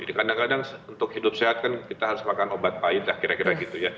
jadi kadang kadang untuk hidup sehat kan kita harus makan obat pahit